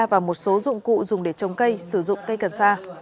và một số dụng cụ dùng để trồng cây sử dụng cây cần sa